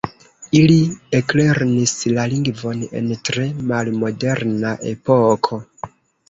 Ili eklernis la lingvon en tre malmoderna epoko.